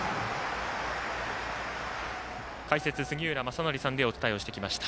解説、杉浦正則さんでお伝えをしてきました。